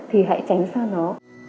thì hãy tránh xa nó